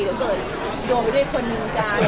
เดี๋ยวเกิดโดนไปด้วยคนหนึ่งจะ